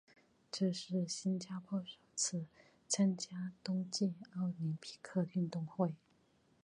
这是新加坡首次参加冬季奥林匹克运动会。